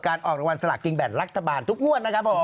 การออกรางวัลสลากกิงแบตรักษ์ทะบานทุกงวดนะครับผม